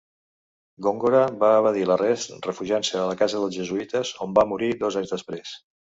Góngora va evadir l'arrest refugiant-se a casa dels jesuïtes, on va morir dos anys després.